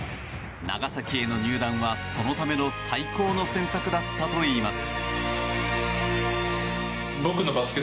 長崎への入団は、そのための最高の選択だったといいます。